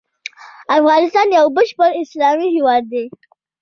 افغانستان يو بشپړ اسلامي هيواد دی.